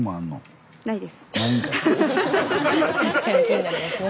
スタジオ確かに気になりますね。